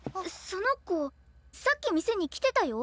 その子さっき店に来てたよ。